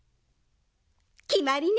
きまりね！